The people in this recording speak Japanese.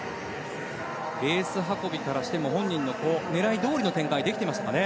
レース運びからしても本人の狙いどおりの展開ができてましたかね。